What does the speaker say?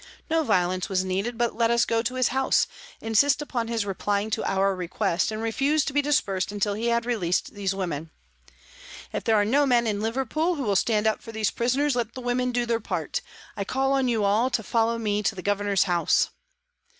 No violence was needed, but let us go to his house, insist upon his replying to our request and refuse to be dispersed until he had released these women. " If there are no men in Liverpool who will stand up for these prisoners, let the women do their part I call on you all to follow me to the Governor's house."